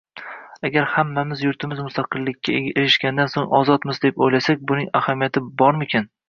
Agar hammamiz yurtimiz mustaqillikka erishganidan so`ng ozodmiz deb o`ylasak buning ahamiyati bormikan